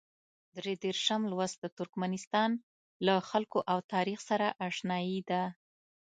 درې دېرشم لوست د ترکمنستان له خلکو او تاریخ سره اشنايي ده.